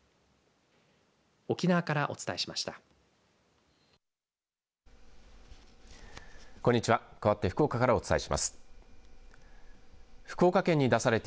沖縄からお伝えしました。